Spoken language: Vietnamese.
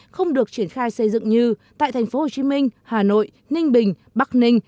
không được triển khai xây dựng như tại tp hcm hà nội ninh bình bắc ninh